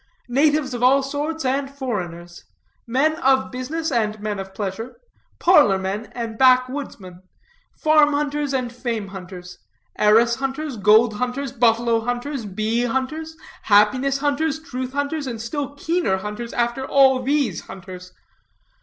Natives of all sorts, and foreigners; men of business and men of pleasure; parlor men and backwoodsmen; farm hunters and fame hunters; heiress hunters, gold hunters, buffalo hunters, bee hunters, happiness hunters, truth hunters, and still keener hunters after all these hunters.